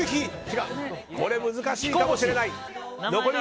これは難しいかもしれない。